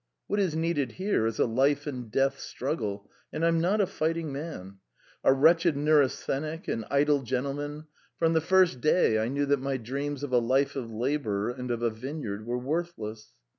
What is needed here is a life and death struggle, and I'm not a fighting man. A wretched neurasthenic, an idle gentleman .... From the first day I knew that my dreams of a life of labour and of a vineyard were worthless.